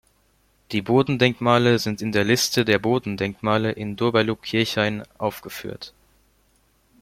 Die Bodendenkmale sind in der Liste der Bodendenkmale in Doberlug-Kirchhain aufgeführt.